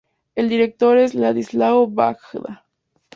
El director es Ladislao Vajda.